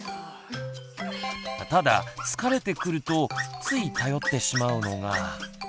ただ疲れてくるとつい頼ってしまうのが。